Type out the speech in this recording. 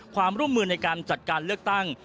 ความร่วมมือในการจัดการเลือกตั้ง